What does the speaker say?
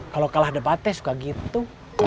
kalau kalah debatnya suka gitu